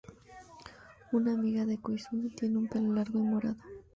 Una amiga de Koizumi, tiene un pelo largo y morado.